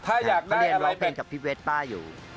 ถ้าอยากได้เรียนร้องเพลงกับพี่เวทป้าอยู่